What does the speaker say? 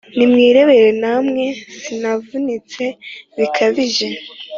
Nimwirebere namwe: sinavunitse bikabije,